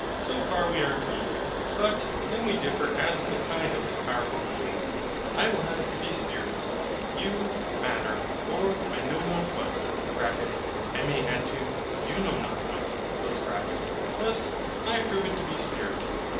So far we are agreed. But then we differ as to the kind of this powerful Being. I will have it to be Spirit, you Matter, or I know not what (I may add too, you know not what) Third Nature. Thus, I prove it to be Spirit.